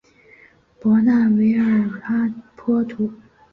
博纳维尔阿普托。